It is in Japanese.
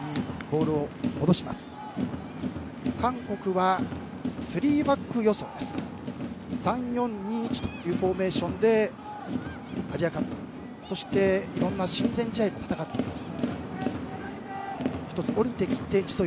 ３ー４ー２ー１というフォーメーションでアジアカップ、そしていろんな親善試合も戦っています。